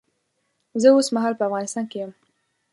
زه اوس مهال په افغانستان کې یم